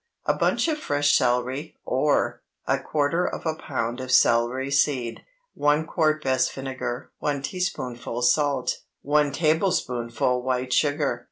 A bunch of fresh celery, or A quarter of a pound of celery seed. 1 quart best vinegar. 1 teaspoonful salt. 1 tablespoonful white sugar.